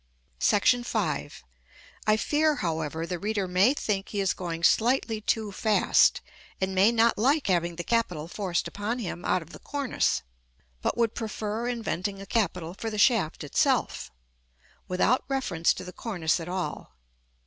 § V. I fear, however, the reader may think he is going slightly too fast, and may not like having the capital forced upon him out of the cornice; but would prefer inventing a capital for the shaft itself, without reference to the cornice at all.